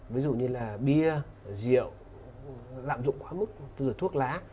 ví dụ như bia rượu lạm dụng quá mức thuốc lá